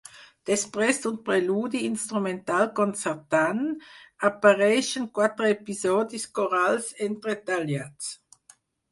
Després d'un preludi instrumental concertant, apareixen quatre episodis corals entretallats.